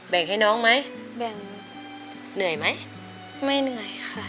งให้น้องไหมแบ่งเหนื่อยไหมไม่เหนื่อยค่ะ